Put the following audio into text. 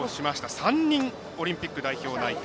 ３人、オリンピック代表内定。